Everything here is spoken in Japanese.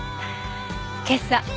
今朝